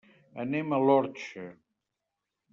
Anem a l'Orxa.